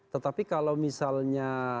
tetapi kalau misalnya